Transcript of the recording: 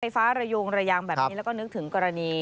ฟ้าระโยงระยางแบบนี้แล้วก็นึกถึงกรณี